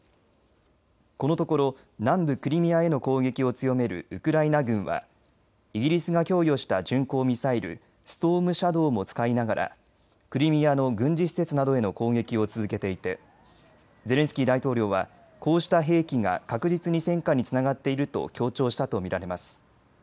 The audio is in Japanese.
このところ、南部クリミアへの攻撃を強めるウクライナ軍はイギリスが供与した巡航ミサイルストームシャドーも使いながらクリミアの軍事施設などへの攻撃を続けていてゼレンスキー大統領はこうした兵器が確実に戦果につながっていると強調したと見られます。